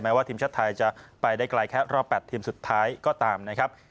ว่าทีมชาติไทยจะไปได้ไกลแค่รอบ๘ทีมสุดท้ายก็ตามนะครับ